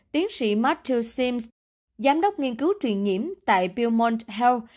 tiến sĩ matthew sims giám đốc nghiên cứu truyền nhiễm tại belmont health